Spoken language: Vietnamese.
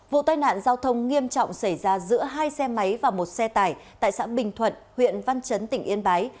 vụ tai nạn giao thông nghiêm trọng xảy ra giữa hai xe máy và một xe tải tại xã bình thuận huyện văn chấn tỉnh yên bái